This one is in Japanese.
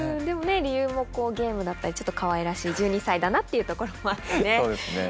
でも理由もゲームだったりちょっとかわいらしい１２歳だなっていうところもあってね。